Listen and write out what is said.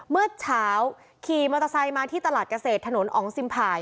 เมื่อเช้าขี่มอเตอร์ไซค์มาที่ตลาดเกษตรถนนอ๋องซิมผ่าย